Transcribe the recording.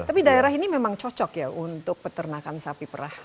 tapi daerah ini memang cocok ya untuk peternakan sapi perah